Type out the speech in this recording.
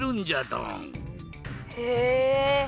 へえ！